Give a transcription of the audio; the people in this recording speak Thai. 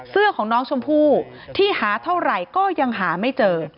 เสื้อของน้องชมพู่ที่หาเท่าไหร่ก็ยังหาไม่เจอ